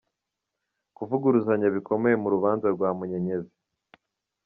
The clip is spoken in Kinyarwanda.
Kuvuguruzanya bikomeye mu rubanza rwa Munyenyezi